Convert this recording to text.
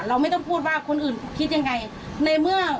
เราไม่ต้องพูดว่าคนอื่นคิดอย่างไร